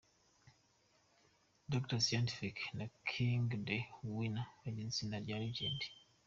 Dr Scientific na King The Winner bagize itsinda Legends.